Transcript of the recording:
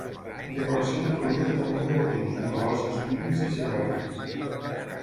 La decoració incloïa tota mena de motius, mitològics, bíblics i geomètrics.